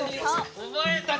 お前たち！